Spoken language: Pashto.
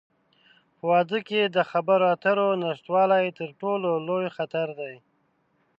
په واده کې د خبرو اترو نشتوالی، تر ټولو لوی خطر دی.